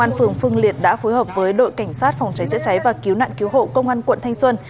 thương liệt đã phối hợp với đội cảnh sát phòng cháy chữa cháy và cứu nạn cứu hộ công an quận thanh xuân